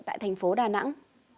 tại thành phố đà nẵng